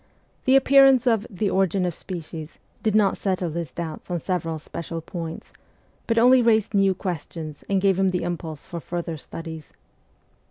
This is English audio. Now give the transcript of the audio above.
The appearance of the ' Origin of Species ' did not settle his doubts on several special points, but only raised new questions and gave him the impulse for further studies.